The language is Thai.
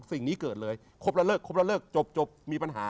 สิ่งนี้เกิดเลยครบละเลิกครบแล้วเลิกจบมีปัญหา